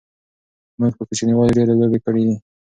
موږ په کوچنیوالی ډیری لوبی کړی دی